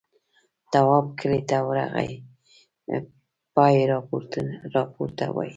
تواب کلي ته ورغی پایې راپورته وې.